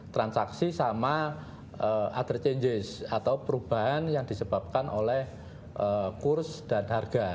transaksi sama etter changers atau perubahan yang disebabkan oleh kurs dan harga